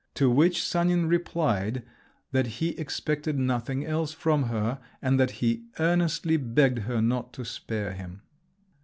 To which Sanin replied that he expected nothing else from her, and that he earnestly begged her not to spare him!